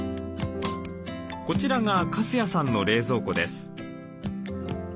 こちらが粕谷さんの冷蔵庫です。